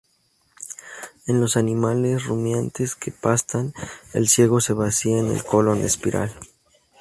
En los animales rumiantes que pastan, el ciego se vacía en el colon espiral.